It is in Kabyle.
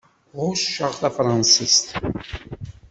Ɣucceɣ tafṛansist.